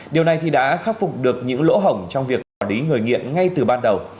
điều này thì đã khắc phục được những lỗ hổng trong việc quản lý người nghiện ngay từ ban đầu